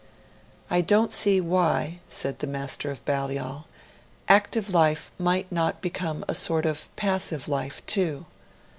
'I don't see why,' said the Master of Balliol, 'active life might not become a sort of passive life too.'